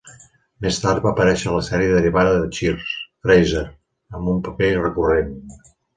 Més tard va aparèixer a la sèrie derivada de "Cheers" "Fraiser" amb un paper recurrent.